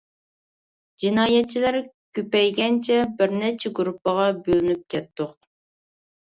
جىنايەتچىلەر كۆپەيگەنچە بىرنەچچە گۇرۇپپىغا بۆلۈنۈپ كەتتۇق.